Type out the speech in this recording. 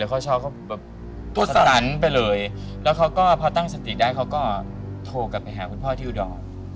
เขาชอบเขาแบบตัวสตันไปเลยแล้วเขาก็พอตั้งสติได้เขาก็โทรกลับไปหาคุณพ่อที่อุดร